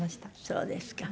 そうですか。